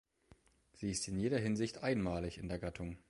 Sie ist in jeder Hinsicht einmalig in der Gattung.